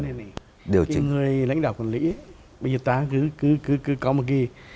tức là tôi nói thế này này khi người lãnh đạo quản lý bây giờ ta cứ có một cái